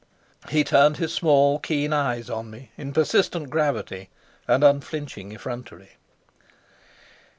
He turned his small, keen eyes on me in persistent gravity and unflinching effrontery.